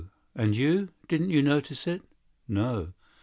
And you—didn't you notice it?" "No."